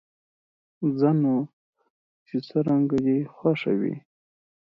ځه نو، چې څرنګه دې خوښه وي.